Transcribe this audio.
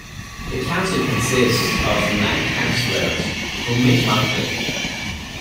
The council consists of nine councillors, who meet monthly.